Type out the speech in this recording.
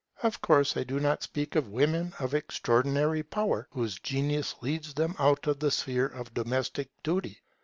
Of course I do not speak of women of extraordinary powers whose genius leads them out of the sphere of domestic duty.